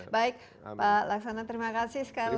baik pak laksana terima kasih sekali